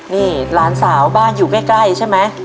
นี่หลานสาวบ้านอยู่ใกล้ใช่ไหม